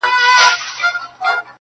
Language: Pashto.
• هر کور يو غم لري تل,